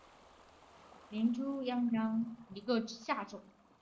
林猪殃殃为茜草科拉拉藤属下的一个种。